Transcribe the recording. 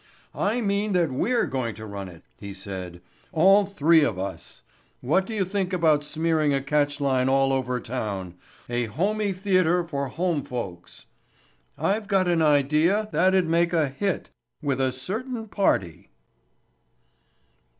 "I mean that we're going to run it," he said. "All three of us. What do you think about smearing a catch line all over town—'A Homey Theatre for Home Folks'? I've got an idea that'd make a hit with a Certain Party."